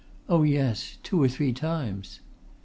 "Oh, yes! two or three times!"